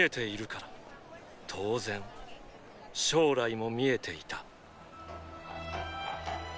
当然将来も見えていた！！